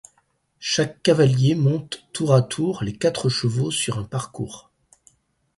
Chaque cavalier monte tour à tour les quatre chevaux sur un parcours.